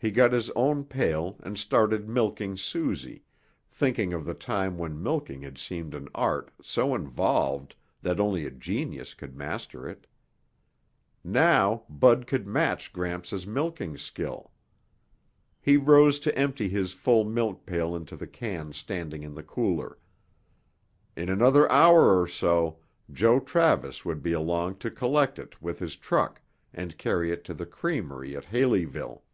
He got his own pail and started milking Susie, thinking of the time when milking had seemed an art so involved that only a genius could master it. Now Bud could match Gramps' milking skill. He rose to empty his full milk pail into the can standing in the cooler. In another hour or so, Joe Travis would be along to collect it with his truck and carry it to the creamery at Haleyville.